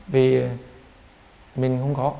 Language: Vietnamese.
vì mình không có